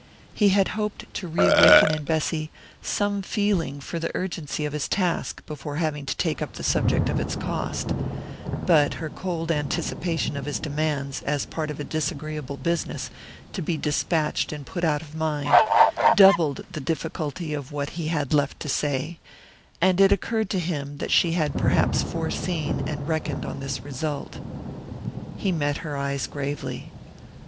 He had hoped to reawaken in Bessy some feeling for the urgency of his task before having to take up the subject of its cost; but her cold anticipation of his demands as part of a disagreeable business to be despatched and put out of mind, doubled the difficulty of what he had left to say; and it occurred to him that she had perhaps foreseen and reckoned on this result. He met her eyes gravely.